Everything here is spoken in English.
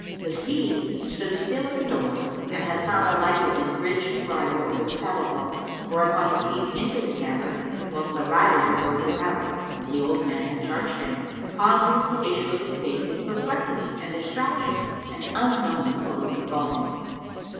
The steed stood still at the door and Hasan alighted and bridged the bridle over the saddle bow[FN#113]; whereupon the steed entered the cavern, whilst the rider abode without, as the old man had charged him, pondering the issue of his case in perplexity and distraction and unknowing what would befal him.